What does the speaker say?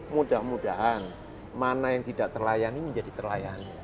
mudah mudahan mana yang tidak terlayani menjadi terlayani